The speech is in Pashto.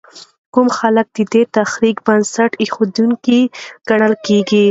کوم خلک د دې تحریک بنسټ ایښودونکي ګڼل کېږي؟